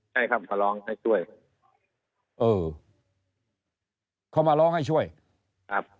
ใช่ครับมาร้องให้ช่วยเออเขามาร้องให้ช่วยครับ